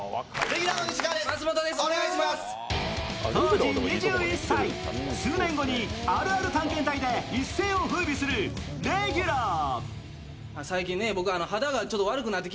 当時２１歳数年後にあるある探検隊で一世を風靡するレギュラー。